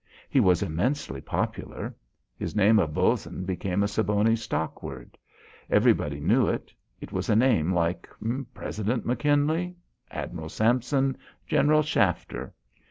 He was immensely popular. His name of Bos'n became a Siboney stock word. Everybody knew it. It was a name like President McKinley, Admiral Sampson, General Shafter.